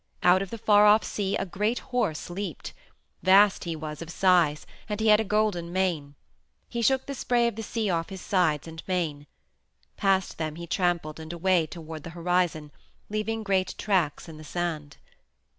Out of the far off sea a great horse leaped. Vast he was of size and he had a golden mane. He shook the spray of the sea off his sides and mane. Past them he trampled and away toward the horizon, leaving great tracks in the sand.